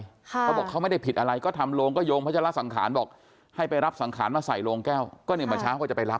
เขาบอกเขาไม่ได้ผิดอะไรก็ทำโรงก็โยงพัชละสังขารบอกให้ไปรับสังขารมาใส่โรงแก้วก็เนี่ยเมื่อเช้าก็จะไปรับ